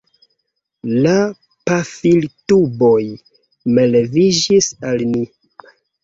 La pafiltuboj malleviĝis al ni.